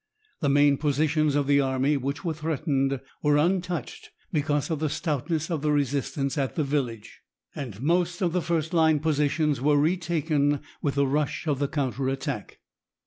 The main positions of the army, which were threatened, were untouched because of the stoutness of the resistance at the village, and most of the first line positions were retaken with the rush of the counter attack.